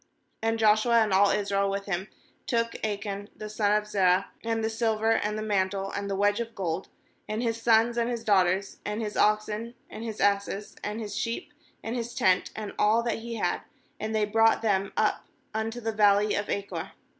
MAnd Joshua, and all Israel with him, took Achan the son of Zerah, and the silver, and the mantle, and the wedge of gold, and bis sons, and his daughters, and his oxen, and his asses, and his sheep, and his tent, and all that he had; and they brought them up unto the valley of Achor.